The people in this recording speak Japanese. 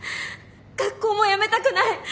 学校もやめたくない。